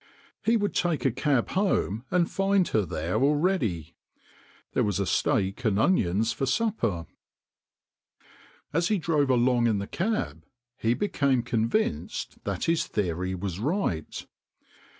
He would take a cab home and THE CONJURER 203 find her there already. There was a steak and onions for supper. As he drove along in the cab he became convinced that this theory was right.